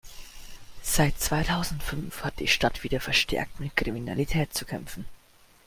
Seit zweitausendfünf hat die Stadt wieder verstärkt mit Kriminalität zu kämpfen.